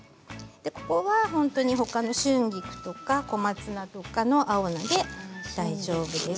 ここは、ほかの春菊とか小松菜とかの青菜で大丈夫です。